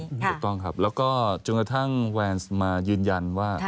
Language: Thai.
ถูกต้องครับแล้วก็จนกระทั่งแวนซ์มายืนยันว่า